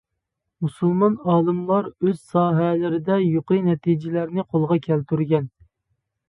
مۇسۇلمان ئالىملار ئۆز ساھەلىرىدە يۇقىرى نەتىجىلەرنى قولغا كەلتۈرگەن.